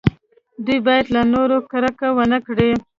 دوی باید له نورو کرکه ونه کړي.